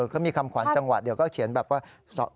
เขามีคำขวัญจังหวะเดี๋ยวก็เขียนแบบว่า